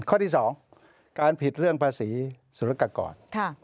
ข้อที่๒การผิดเรื่องภาษีสุรกากร